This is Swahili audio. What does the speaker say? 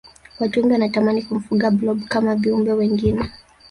watu wengi wanatamani kumfuga blob kama viumbe wengine